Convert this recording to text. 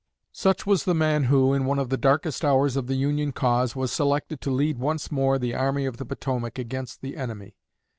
Such was the man who, in one of the darkest hours of the Union cause, was selected to lead once more the Army of the Potomac against the enemy.